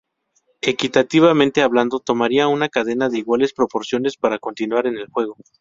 Equitativamente hablando, tomaría una cadena de iguales proporciones para continuar en el juego.